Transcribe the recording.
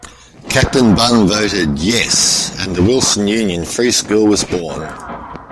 Captain Bunn voted "yes" and the Wilson Union Free School was born.